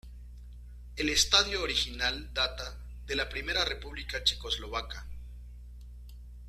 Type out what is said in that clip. El estadio original data de la Primera República Checoslovaca.